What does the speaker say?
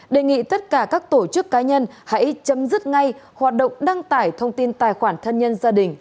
đề nghị tất cả các tổ chức cá nhân hãy chấm dứt ngay hoạt động đăng tải thông tin tài khoản thân nhân gia đình